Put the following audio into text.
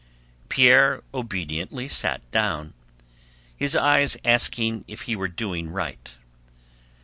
Pierre obediently sat down, his eyes asking if he were doing right.